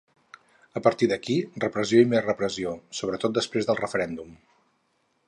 A partir d’aquí, repressió i més repressió, sobretot després del referèndum.